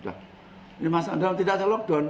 ini masak dalam tidak ada lockdown